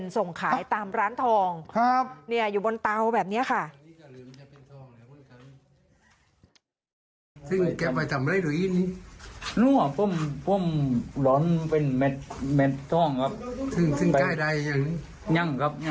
ส่งขายตามร้านทองอยู่บนเตาแบบนี้ค่ะ